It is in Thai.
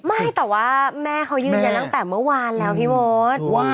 ไม่แต่ว่าแม่เขายืนยันตั้งแต่เมื่อวานแล้วพี่เบิร์ต